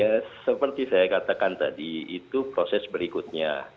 ya seperti saya katakan tadi itu proses berikutnya